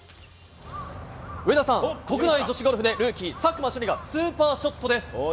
上田さん、国内女子ゴルフでルーキー、佐久間朱莉がスーパーショットです。